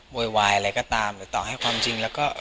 โวยวายอะไรก็ตามหรือต่อให้ความจริงแล้วก็